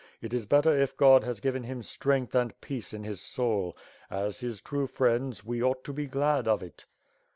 It is better if God has given him strength and peace in his soul. As his true friends we ought to be glad of it."